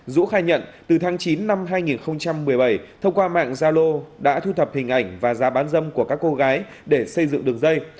dũ khai nhận từ tháng chín năm hai nghìn một mươi bảy thông qua mạng zalo đã thu thập hình ảnh và giá bán dâm của các cô gái để xây dựng đường dây